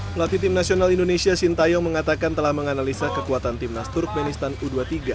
pelatih tim nasional indonesia sintayong mengatakan telah menganalisa kekuatan timnas turkmenistan u dua puluh tiga